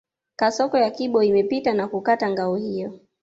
Kasoko ya Kibo imepita na kukata ngao hiyo